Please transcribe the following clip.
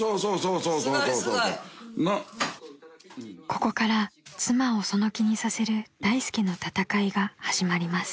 ［ここから妻をその気にさせる大助の闘いが始まります］